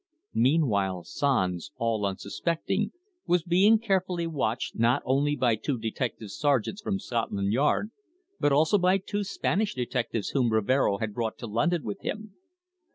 Meanwhile Sanz, all unsuspecting, was being carefully watched, not only by two detective sergeants from Scotland Yard, but also by two Spanish detectives whom Rivero had brought to London with him.